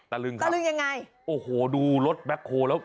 ตะลึ่งครับตะลึ่งยังไงโอ้โหดูรถแบ็คโฮแล้ว